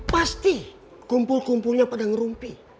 pasti kumpul kumpulnya pada ngerumpi